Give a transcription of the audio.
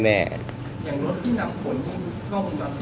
อย่างรถที่หนำผลยังก้องจัด